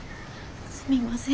すみません。